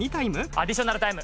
アディショナルタイム。